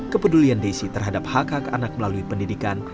kepedulian desi terhadap hak hak anak melalui pendidikan